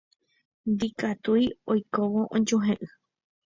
Ndikatúi oikóvo ojuehe'ỹ.